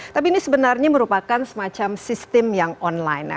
tapi ini sebenarnya merupakan semacam sistem yang online ya